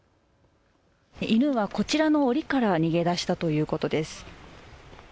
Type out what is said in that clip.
犬はこちらのおりから逃げ出したということです。